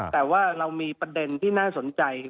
แต่ว่าเรามีประเด็นที่น่าสนใจ